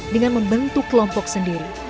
dengan membentuk kelompok sendiri